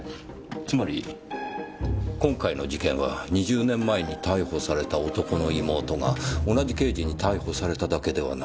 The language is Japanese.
つまり今回の事件は２０年前に逮捕された男の妹が同じ刑事に逮捕されただけではなく。